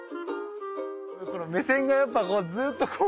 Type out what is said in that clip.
この目線がやっぱこうずっとこう。